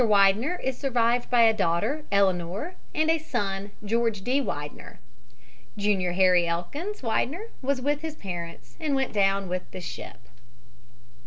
Widener is survived by a daughter, Eleanor, and a son, George D. Widener, Jr. Harry Elkins Widener was with his parents and went down on the ship.